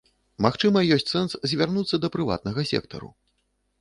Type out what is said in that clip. Магчыма, ёсць сэнс звярнуцца да прыватнага сектару.